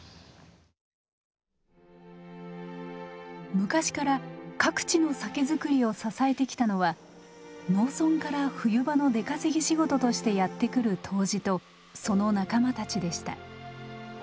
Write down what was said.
昔から各地の酒造りを支えてきたのは農村から冬場の出稼ぎ仕事としてやって来る杜氏とその仲間たちでした。